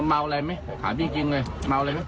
เมาอะไรมึงหาพี่กินกันเมาอะไรมึง